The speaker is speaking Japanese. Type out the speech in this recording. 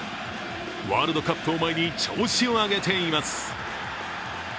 ワールドカップを前に調子を上げています。